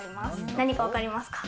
何かわかりますか？